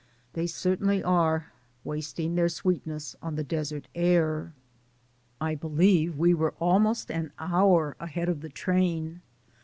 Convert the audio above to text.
They certainly are ''wasting their sweetness on the desert air." I believe we were almost an hour ahead of the train.